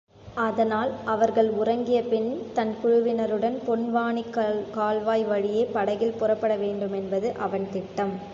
அதனால் அவர்கள் உறங்கியபின்தன் குழுவினருடன் பொன்வானிக் கால்வாய் வழியே படகில் புறப்படவேண்டுமென்பது அவன் திட்டம்.